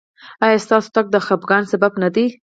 ایا ستاسو تګ د خفګان سبب نه دی؟